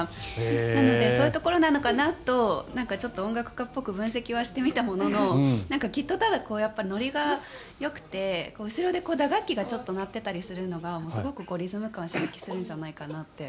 なのでそういうところなのかなとちょっと音楽家っぽく分析はしてみたものの結局はノリがよくて後ろで打楽器がちょっと鳴っていたりするのがすごくリズム感を刺激するんじゃないかなって。